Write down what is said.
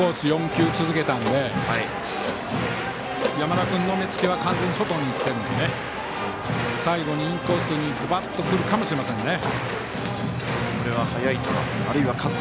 ４球続けたので山田君の目つけは完全に外にいってるので最後にインコースにズバッとくるかもしれませんね。